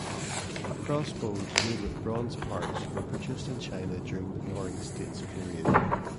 Crossbows made with bronze parts were produced in China during the Warring States period.